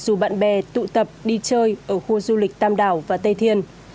dù bạn bè tụ tập đi chơi ở khu du lịch tam đảo và tây thiên